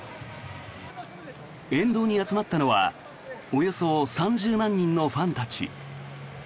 沿道に集まったのはおよそ３０万人のファンたち。